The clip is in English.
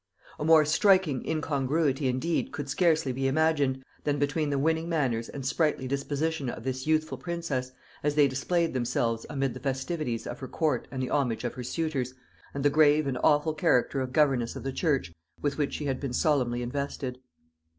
A more striking incongruity indeed could scarcely be imagined, than between the winning manners and sprightly disposition of this youthful princess, as they displayed themselves amid the festivities of her court and the homage of her suitors, and the grave and awful character of Governess of the church, with which she had been solemnly invested.